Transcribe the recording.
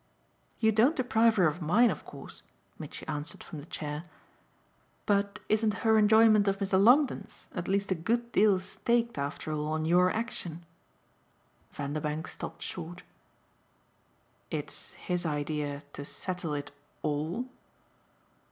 "You don't deprive her of mine of course," Mitchy answered from the chair; "but isn't her enjoyment of Mr. Longdon's at least a good deal staked after all on your action?" Vanderbank stopped short. "It's his idea to settle it ALL?"